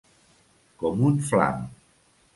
Com un flam.